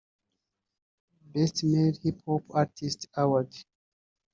Best Male Hip Hop Artist Award